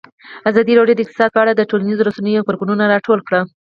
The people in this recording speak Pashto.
ازادي راډیو د اقتصاد په اړه د ټولنیزو رسنیو غبرګونونه راټول کړي.